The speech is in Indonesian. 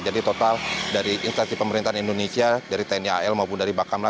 jadi total dari instansi pemerintahan indonesia dari tni al maupun dari bakamla